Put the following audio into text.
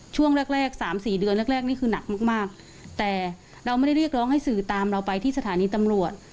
ช่วงแรกแรกสามสี่เดือนแรกแรกนี่คือหนักมากมากแต่เราไม่ได้เรียกร้องให้สื่อตามเราไปที่สถานีตำรวจ